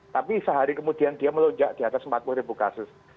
tapi sehari kemudian dia melonjak di atas empat puluh ribu kasus